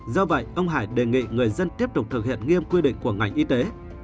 do vậy ông hải đề nghị người dân tiếp tục thực hiện nghiêm quy định của ngành y tế